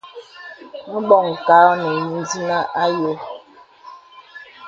Mə̀ bɔŋ kà ɔ̄ɔ̄ nə ìzìnə àyɔ̄.